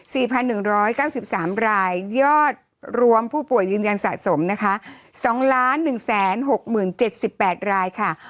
สี่พันหนึ่งร้อยเก้าสิบสามรายยอดรวมผู้ป่วยยืนยันสะสมนะคะสองล้านหนึ่งแสนหกหมื่นเจ็ดสิบแปดรายค่ะ